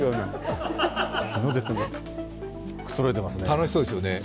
楽しそうですよね。